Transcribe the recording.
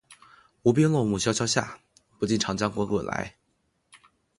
无边落木萧萧下，不尽长江滚滚来